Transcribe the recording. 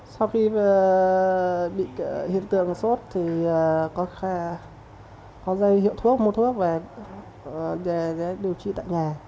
sau khi bị hiện tượng sốt thì có dây hiệu thuốc mua thuốc về điều trị tại nhà